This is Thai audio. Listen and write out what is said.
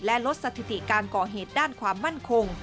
และลดสถิติการก่อเหตุด้านความมั่นคง